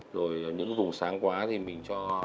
rồi những vùng sáng quá thì mình cho